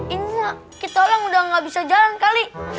ini kita orang udah gak bisa jalan kali